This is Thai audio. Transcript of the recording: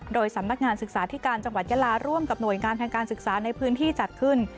โดยสำนักงานศึกษาธิการจังหวัดยาลาร่วมกับหน่วยงานทางการศึกษาในพื้นที่จัดขึ้น